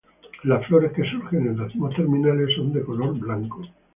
Las flores, que surgen en racimos terminales, son de color blanco.